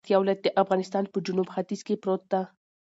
پکتيا ولايت د افغانستان په جنوت ختیځ کی پروت ده